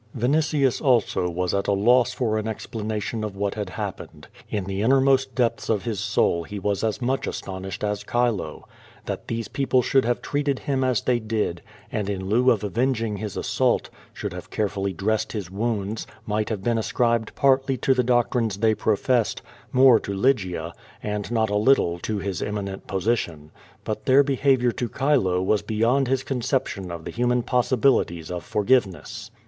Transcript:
Vinitius also was at a loss for an explanation of what had happened. In the innermost depths of his soul he was as much astonished as Chilo. That these people should have treated him as they did, and in lieu of avenging his assaulty 196 Q^O VADI8, should have carefully dressed his wounds, might have been ascribed partly to the doctrines they professed, more to Lygia, and not a little to his eminent position. But their behavior to Chilo was beyond his conception of the human possibilities of forgiveness.